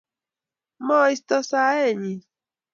Maisto saet nyin.